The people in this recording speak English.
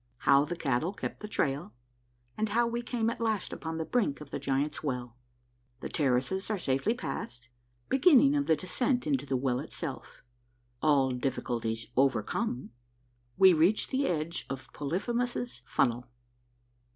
— HOW THE CATTLE KEPT THE TRAIL, AND HOW WE CAME AT LAST UPON THE BRINK OF THE GIANTS' WELL. — THE TERRACES ARE SAFELY PASSED. — BEGINNING OF THE DESCENT INTO THE WELL ITSELF. — ALL DIFFICULTIES OVER COME. — WE REACH THE EDGE OF POLYPHEMUS' FUNNEL.